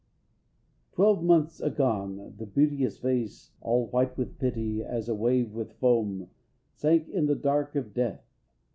Twelve months agone The beauteous face, all white with pity as A wave with foam, sank in the dusk of death.